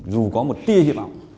dù có một tia hiệp ảo